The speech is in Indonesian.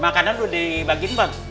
makanan udah dibagiin pak